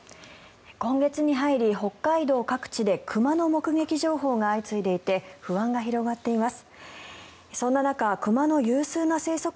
今月に入り北海道各地で熊の目撃情報が相次いでいて不安が広がっています。